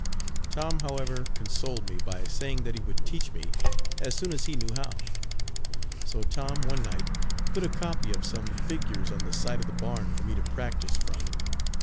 Tom, however, consoled me by saying that he would teach me as soon as he knew how. So Tom one night put a copy of some figures on the side of the barn for me to practice from.